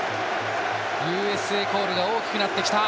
ＵＳＡコールが大きくなってきた。